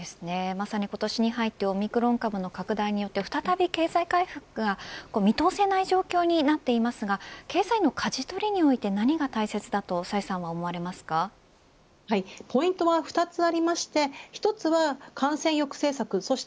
まさに今年に入ってオミクロン株の拡大によって再び経済回復が見通せない状況になっていますが経済のかじ取りにおいて何が大切だとポイントは２つありまして１つは感染抑制策